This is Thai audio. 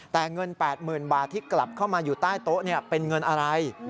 แต่เงิน๘๐๐๐บาทที่กลับเข้ามาอยู่ใต้โต๊ะเป็นเงินอะไร